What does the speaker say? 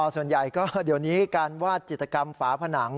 ส่วนใหญ่ก็เดี๋ยวนี้การวาดจิตกรรมฝาผนัง